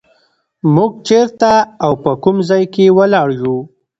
موږ چېرته او په کوم ځای کې ولاړ یو.